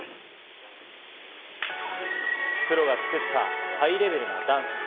プロが作ったハイレベルなダンス。